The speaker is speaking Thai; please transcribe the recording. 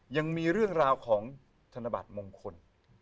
ยังมีเรื่องราวของธนบัตรมงคล